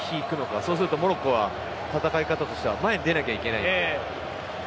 そうするとモロッコは戦い方としては前に出なきゃいけないので。